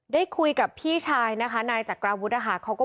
ได้คุยกับพี่ชายนะคะนายจักราวุฒินะคะ